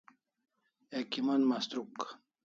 Ek kimon mastruk